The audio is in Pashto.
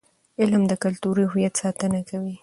علم د کلتوري هویت ساتنه کوي.